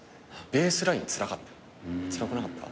ベースラインつらかった。